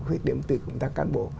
khuyết điểm từ công tác cán bộ